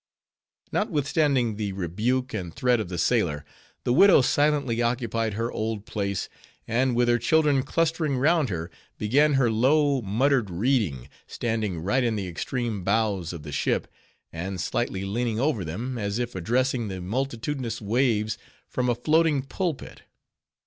Notwithstanding the rebuke and threat of the sailor, the widow silently occupied her old place; and with her children clustering round her, began her low, muttered reading, standing right in the extreme bows of the ship, and slightly leaning over them, as if addressing the multitudinous waves from a floating pulpit.